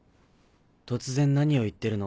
突然何を言ってるの？